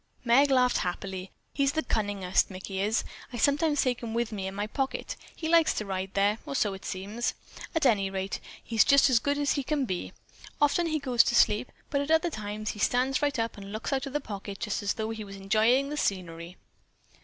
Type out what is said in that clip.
Meg laughed happily. "He's the cunningest, Mickey is! I sometimes take him with me in my pocket. He likes to ride there, or so it seems. At any rate he is just as good as he can be. Often he goes to sleep, but at other times, he stands right up and looks out of the pocket, just as though he were enjoying the scenery."